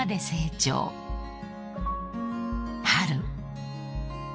［春］